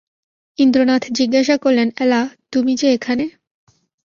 ইন্দ্রনাথ জিজ্ঞাসা করলেন, এলা, তুমি যে এখানে?